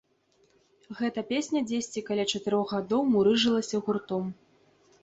Гэта песня дзесьці каля чатырох гадоў мурыжылася гуртом.